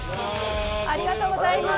ありがとうございます。